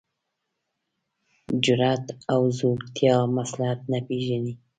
جرات او زړورتیا مصلحت نه پېژني.